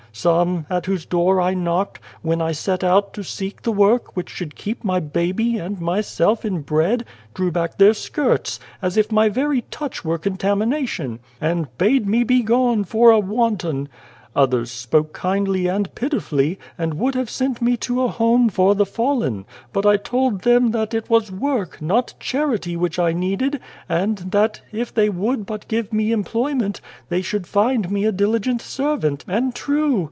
Some, at whose door I knocked when I set out to seek the work which should keep my baby and myself in bread drew back their skirts, as if my very touch were contamination, and bade me be gone, for a wanton. Others spoke kindly and pitifully, and would have sent me to a ' Home for the Fallen,' but I told them that 199 The Child, the Wise Man it was work, not charity, which I needed, and that, if they would but give me employment, they should find me a diligent servant, and true.